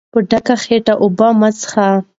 په ډکه خېټه اوبه مه څښئ.